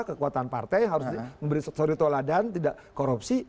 kekuatan partai yang harus memberi soritola dan tidak korupsi